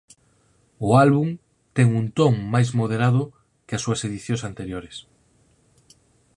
O álbum ten un ton máis moderado que as súas edicións anteriores.